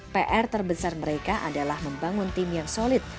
pr terbesar mereka adalah membangun tim yang solid